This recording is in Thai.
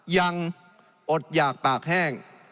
ยังอดหยากปากแห้ง